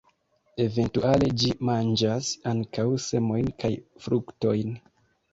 Eventuale ĝi manĝas ankaŭ semojn kaj fruktojn.